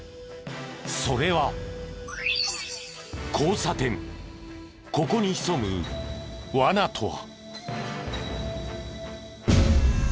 それはここに潜むワナとは？